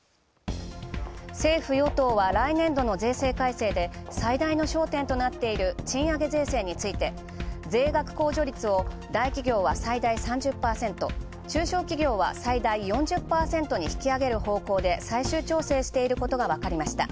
政府与党は来年度の税制改正で最大の焦点となっている賃上げ税制について税額控除率を大企業は最大３０％、中小企業は最大４０％に引き上げる方向で最終調整していることがわかりました。